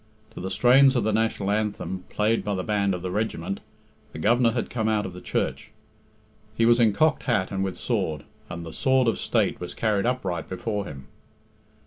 To the strains of the National Anthem, played by the band of the regiment, the Governor had come out of the church. He was in cocked hat and with sword, and the sword of state was carried upright before him.